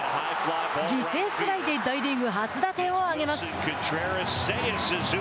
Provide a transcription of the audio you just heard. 犠牲フライで大リーグ初打点を挙げます。